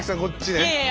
こっちね。